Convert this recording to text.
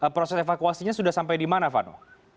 proses evakuasinya sudah sampai di mana vano